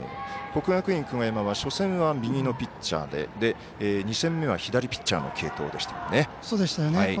国学院久我山は初戦は右のピッチャーで２戦目は左ピッチャーの継投でしたね。